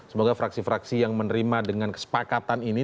semoga fraksi fraksi yang menerima dengan kesepakatan ini